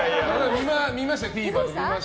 見ましたよ、ＴＶｅｒで。